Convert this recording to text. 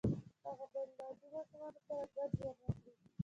هغه باید له عادي ماشومانو سره ګډ ژوند وکړي